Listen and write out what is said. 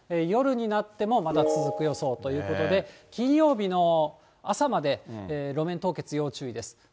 夜になってもまだ続く予想ということで、金曜日の朝まで路面凍結、要注意です。